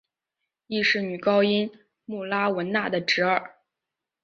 亦是女高音穆拉汶娜的侄儿。